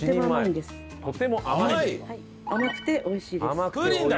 甘くておいしいです。